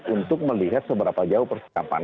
untuk melihat seberapa jauh persiapan